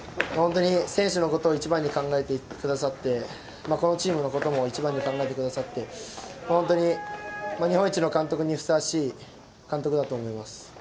選手のことを一番に考えてくださって、このチームのことも一番に考えてくださって、本当に日本一の監督としてふさわしい監督